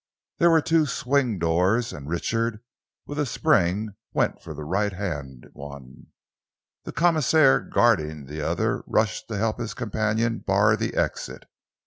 There were two swing doors, and Richard, with a spring, went for the right hand one. The commissionaire guarding the other rushed to help his companion bar the exit.